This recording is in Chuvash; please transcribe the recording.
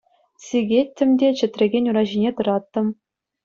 Сикеттӗм те чӗтрекен ура ҫине тӑраттӑм.